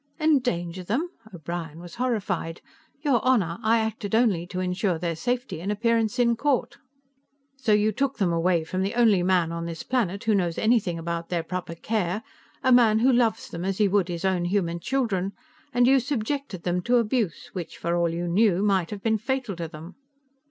"Endanger them?" O'Brien was horrified. "Your Honor, I acted only to insure their safety and appearance in court." "So you took them away from the only man on this planet who knows anything about their proper care, a man who loves them as he would his own human children, and you subjected them to abuse, which, for all you knew, might have been fatal to them."